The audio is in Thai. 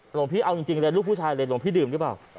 หลวงพี่เอาจริงเลยลูกผู้ชายเลยหลวงพี่ดื่มหรือเปล่า